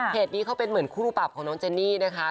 นี้เขาเป็นเหมือนคู่ปรับของน้องเจนี่นะคะ